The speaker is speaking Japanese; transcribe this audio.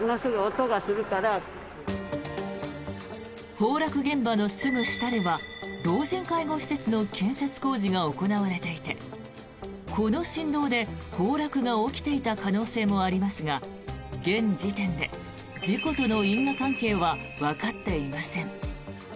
崩落現場のすぐ下では老人介護施設の建設工事が行われていてこの振動で崩落が起きていた可能性もありますが現時点で事故との因果関係はわかっていません。